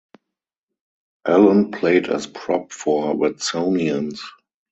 Allan played as prop for Watsonians.